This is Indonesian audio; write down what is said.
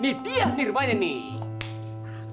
nih dia nih rumahnya nih